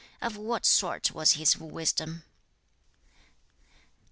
Of what sort was his wisdom?'